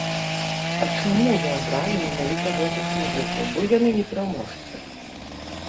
А чаму вы абралі менавіта гэтых музыкаў, бо яны не пераможцы?